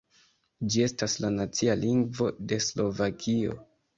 Ĝi estas la nacia lingvo de Slovakio.